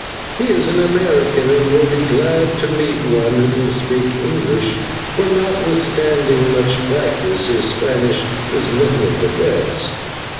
He is an American, and will be glad to meet one who can speak English, for, notwithstanding much practice, his Spanish is none of the best."